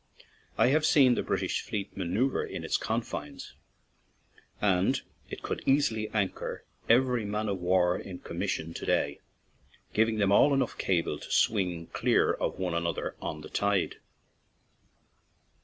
I have seen the British fleet manoeuvered in its confines, and it could easily anchor every man of war in commission to day, giving them all enough cable to swing clear of one an other on the tide.